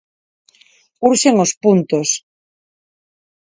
Urxen os puntos.